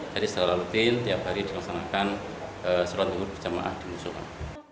jadi setelah lalu tiap hari dilaksanakan sholat zuhur berjamaah di musulah